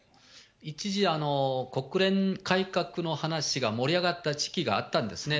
一時、国連改革の話が盛り上がった時期があったんですね。